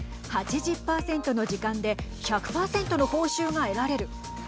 ８０％の時間で１００％の報酬が得られる。